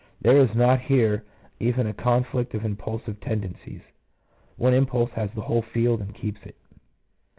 There is not here even a conflict of impulsive tendencies: one impulse has the whole field and keeps it.